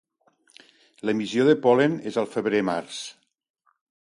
L'emissió de pol·len és al febrer-març.